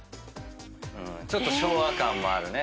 ちょっと昭和感もあるね。